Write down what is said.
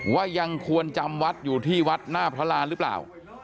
ว่ายังควรจำวัดอยู่ที่วัดหน้าพระราณหรือเปล่า